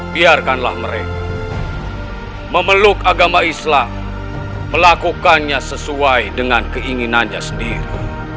biarkanlah mereka memeluk agama islam melakukannya sesuai dengan keinginannya sendiri